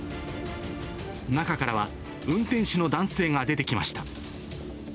中からは、運転手の男性が出てきました。